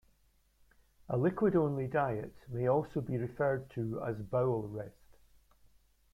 A liquid-only diet may also be referred to as bowel rest.